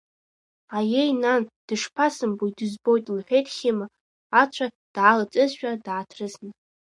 Аиеи, нан, дышԥасымбои, дызбоит, — лҳәеит Хьыма, ацәа даалҵызшәа дааҭрысны.